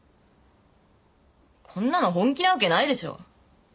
こんなの本気なわけないでしょ？